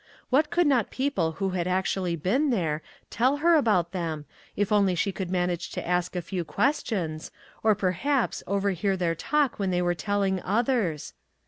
What could not people who had actually been there tell her about them, if only she could manage to ask a few questions, or, perhaps, overhear their talk when they were telling others?